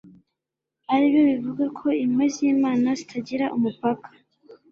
aribyo bivuga ko impuhwe z'imana zitagira umupaka